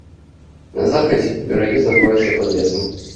На захадзе берагі знаходзяцца пад лесам.